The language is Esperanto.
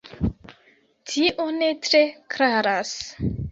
Tio ne tre klaras.